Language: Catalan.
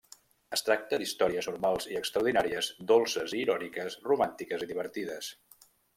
Es tracta d'històries normals i extraordinàries, dolces i iròniques, romàntiques i divertides.